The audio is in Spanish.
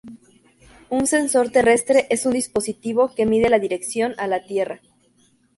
Un "sensor terrestre" es un dispositivo que mide la dirección a la Tierra.